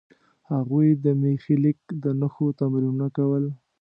هغوی د میخي لیک د نښو تمرینونه کول.